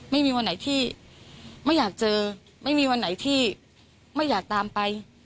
ไม่มีวันไหนที่ไม่อยากเจอไม่มีวันไหนที่ไม่อยากตามไป